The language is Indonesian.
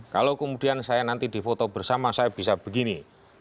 kalau kemudian saya nanti di foto bersama saya bisa begini